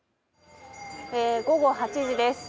午後８時です。